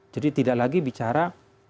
jadi tidak lagi bicara